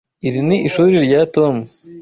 Iri ni ishuri rya Tom.